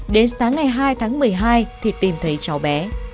đến sáng ngày hai tháng một mươi hai thì tìm thấy cháu bé